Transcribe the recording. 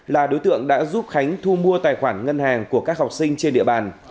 là đối tượng đã giúp khánh thu mua tài khoản ngân hàng của các học sinh trên địa bàn